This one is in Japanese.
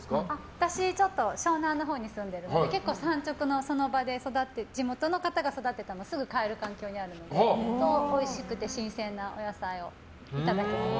私、ちょっと湘南のほうに住んでるので結構、産直の、その場で地元の方が育てたものをすぐ買える環境にあるのでおいしくて新鮮なお野菜をいただいています。